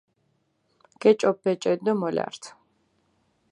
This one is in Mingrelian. გეჭოფჷ ბეჭედი დო მოლართჷ.